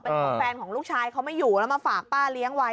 เป็นของแฟนของลูกชายเขาไม่อยู่แล้วมาฝากป้าเลี้ยงไว้